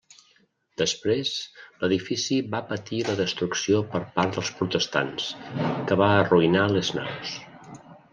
Després l'edifici va patir la destrucció per part dels protestants, que va arruïnar les naus.